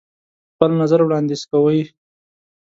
خپل نظر وړاندیز کوئ.